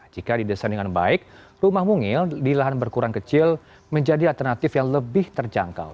jika didesain dengan baik rumah mungil di lahan berkurang kecil menjadi alternatif yang lebih terjangkau